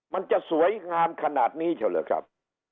มันจะสวยงามขนาดนี้เฉยแหละครับ